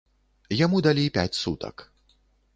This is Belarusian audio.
Яму далі пяць сутак.